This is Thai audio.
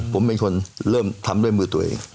ผมเป็นคนเริ่มทำด้วยมือตัวเอง